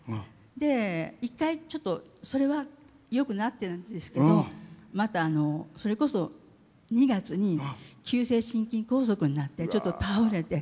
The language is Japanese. で一回ちょっとそれは良くなってるんですけどまたそれこそ２月に急性心筋梗塞になってちょっと倒れて。